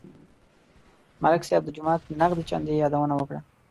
ملک صاحب د جومات نغدې چندې یادونه وکړه.